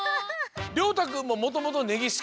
りょうたくんももともとねぎすきだったの？